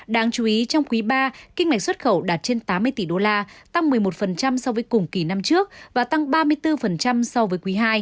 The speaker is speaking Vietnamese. đáng chú ý trong quý ba kinh mạch xuất khẩu đạt trên tám mươi tỷ đô la tăng một mươi một so với cùng kỳ năm trước và tăng ba mươi bốn so với quý ii